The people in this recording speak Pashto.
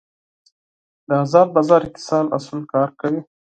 د ازاد بازار اقتصاد اصول کار کوي.